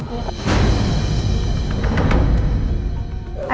saya mau minta bantuan